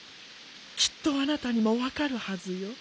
きっとあなたにもわかるはずよ。